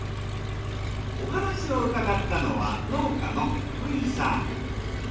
お話を伺ったのは農家の福井さん。